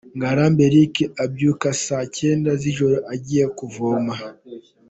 Ngarambe Eric, abyuka saa cyenda z’ijoro agiye kuvoma.